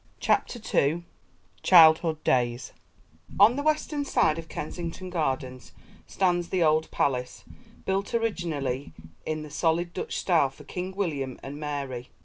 CHAPTER II: _Childhood Days On the western side of Kensington Gardens stands the old Palace, built originally in the solid Dutch style for King William and Mary.